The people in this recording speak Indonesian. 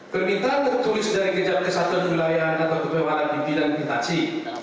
permintaan tertulis dari kejahatan kesatuan wilayah atau kepembalan inti dan intasi